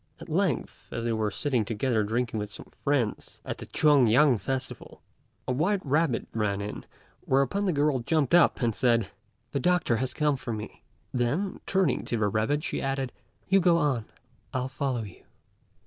At length, as they were sitting together drinking with some friends at the Tuan yang festival, a white rabbit ran in, whereupon the girl jumped up and said, "The doctor has come for me;" then, turning to the rabbit, she added, "You go on: I'll follow you."